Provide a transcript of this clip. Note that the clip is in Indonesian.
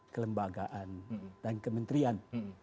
tiga belas kelembagaan dan kementerian